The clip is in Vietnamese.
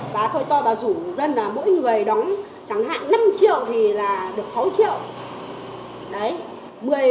bà côi to bà rủ dân là mỗi người đóng chẳng hạn năm triệu thì là được sáu triệu